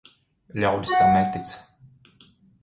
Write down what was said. Ļaudis tam netic.